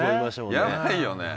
やばいよね。